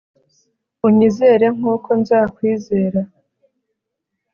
unyizere nkuko nzakwizera.